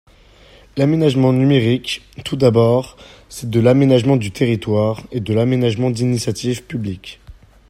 L’aménagement numérique, tout d’abord, c’est de l’aménagement du territoire, et de l’aménagement d’initiative publique.